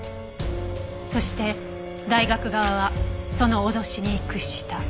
そして大学側はその脅しに屈した。